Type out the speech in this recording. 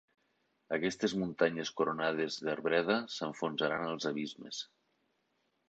Aquestes muntanyes coronades d'arbreda s'enfonsaran als abismes